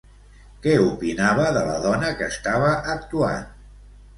Què opinava de la dona que estava actuant?